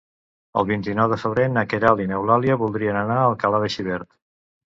El vint-i-nou de febrer na Queralt i n'Eulàlia voldrien anar a Alcalà de Xivert.